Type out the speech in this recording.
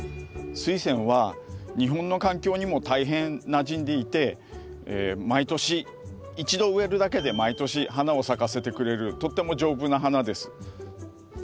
スイセンは日本の環境にも大変なじんでいて毎年一度植えるだけで毎年花を咲かせてくれるとっても丈夫な花です。